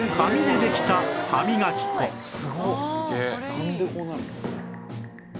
なんでこうなるの？